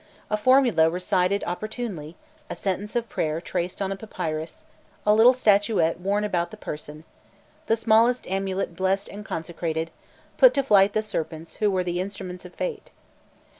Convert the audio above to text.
A formula recited opportunely, a sentence of prayer traced on a papyrus, a little statuette worn about the person, the smallest amulet blessed and consecrated, put to flight the serpents who were the instruments of fate.